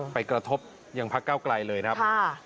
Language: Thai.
ไปกระทบอย่างพักเก้าไกลเลยครับ